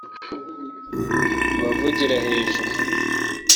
aba avugira hejuru